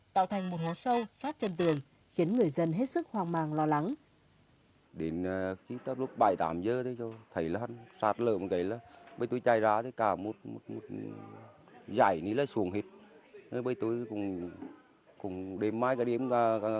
sau sát chân đường khiến người dân hết sức hoang màng lo lắng